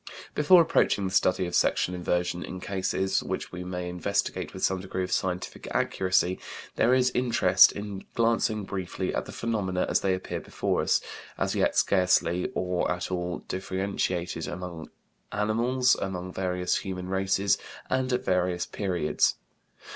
Before approaching the study of sexual inversion in cases which we may investigate with some degree of scientific accuracy, there is interest in glancing briefly at the phenomena as they appear before us, as yet scarcely or at all differentiated, among animals, among various human races, and at various periods.